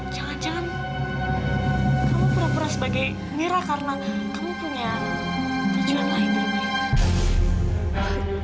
jangan jangan kamu pura pura sebagai mira karena kamu punya tujuan lain daripada aku